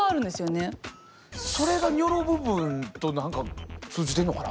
それがニョロ部分と通じてんのかな？